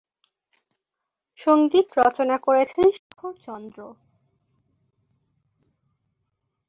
সংগীত রচনা করেছেন শেখর চন্দ্র।